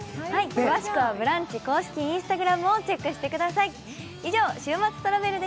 詳しくはブランチ公式Ｉｎｓｔａｇｒａｍをチェックしてください。